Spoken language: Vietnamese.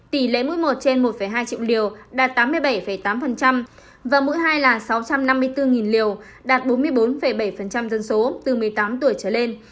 tỷ lệ mỗi một trên một hai triệu liều đạt tám mươi bảy tám và mỗi hai là sáu trăm năm mươi bốn liều đạt bốn mươi bốn bảy dân số từ một mươi tám tuổi trở lên